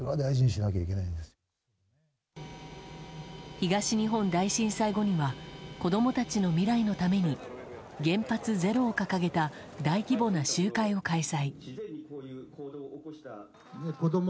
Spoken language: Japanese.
東日本大震災後には子供たちの未来のために原発ゼロを掲げた大規模な集会を開催。